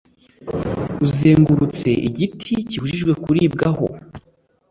Uzengurutse igiti kibujijwe kuribwaho